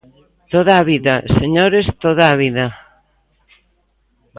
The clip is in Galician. Toda a vida, señores, toda a vida.